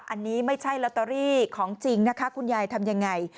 อันนี้ไม่ใช่ลอตเตอรี่ของจริงนะคะคุณยายทำยังไง